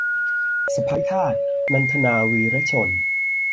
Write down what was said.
สะใภ้ทาส - นันทนา วีระชน